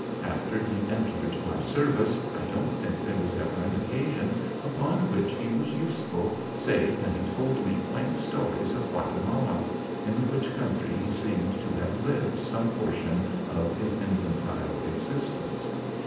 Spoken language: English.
After he entered my service I don't think there was ever an occasion upon which he was useful, save when he told me quaint stories of Guatemala, in which country he seemed to have lived some portion of his infantile existence.